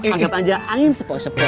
anggap aja angin sepo sepo